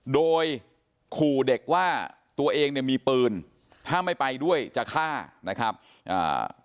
โดยขู่เด็กว่าตัวเองเนี่ยมีปืนถ้าไม่ไปด้วยจะฆ่านะครับอ่า